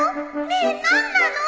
ねえ何なの？